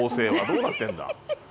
どうなってんだ。